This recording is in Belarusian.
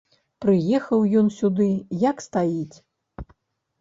Прыехаў ён сюды як стаіць.